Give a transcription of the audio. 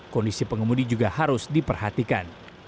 kondisi pengemudi juga harus diperhatikan